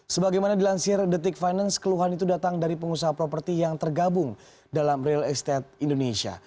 sebagaimana dilansir the tick finance keluhan itu datang dari pengusaha properti yang tergabung dalam real estate indonesia